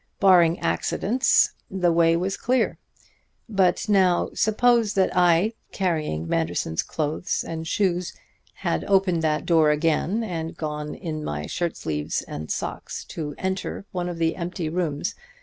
Barring accidents, the way was clear. But now suppose that I, carrying Manderson's clothes and shoes, had opened that door again and gone in my shirt sleeves and socks to enter one of the empty rooms.